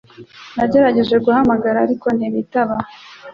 Nagerageje guhamagara ariko ntibitaba